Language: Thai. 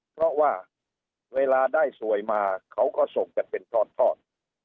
เพราะว่าเวลาได้สวยมาเขาก็ส่งกันเป็นทอด